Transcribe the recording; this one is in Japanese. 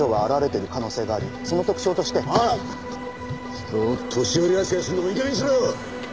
人を年寄り扱いするのもいい加減にしろ！